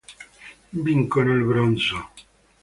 Vincono il bronzo.